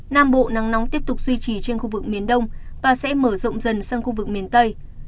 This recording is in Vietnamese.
nam bộ nắng nóng tiếp tục duy trì trên khu vực miền đông và sẽ mở rộng dần sang khu vực miền tây